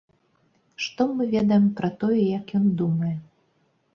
Што мы ведаем пра тое, як ён думае?!